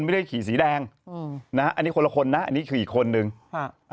ไม่ได้ขี่สีแดงอืมนะฮะอันนี้คนละคนนะอันนี้คืออีกคนนึงค่ะ